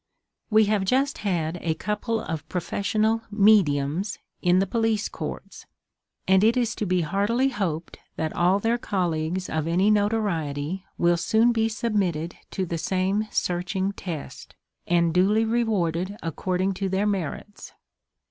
We have just had a couple of professional "mediums" in the police courts, and it is to be heartily hoped that all their colleagues of any notoriety will soon be submitted to the same searching test, and duly rewarded according to their merits.